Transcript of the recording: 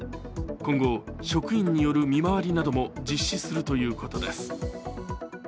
今後、職員による見回りなども実施するということです。